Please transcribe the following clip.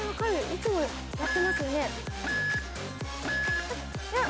いつもやってますよね。